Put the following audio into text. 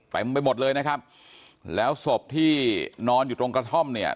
ไปหมดเลยนะครับแล้วศพที่นอนอยู่ตรงกระท่อมเนี่ย